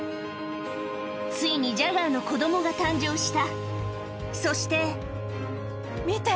ついにジャガーの子供が誕生したそして見て！